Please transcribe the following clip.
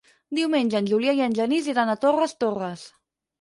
Diumenge en Julià i en Genís iran a Torres Torres.